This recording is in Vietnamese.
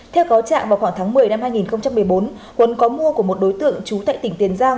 theo cáo trạng vào khoảng tháng một mươi năm hai nghìn một mươi bốn huấn có mua của một đối tượng trú tại tỉnh tiền giang